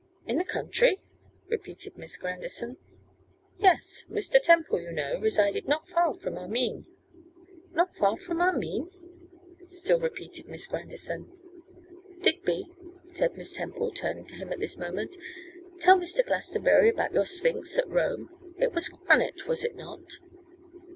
'In the country!' repeated Miss Grandison. 'Yes; Mr. Temple, you know, resided not far from Armine.' 'Not far from Armine!' still repeated Miss Grandison. 'Digby,' said Miss Temple, turning to him at this moment, 'tell Mr. Glastonbury about your sphinx at Rome. It was granite, was it not?